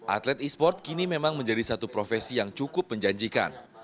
atlet e sport kini memang menjadi satu profesi yang cukup menjanjikan